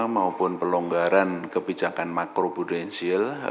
maupun pelonggaran kebijakan makro prudensial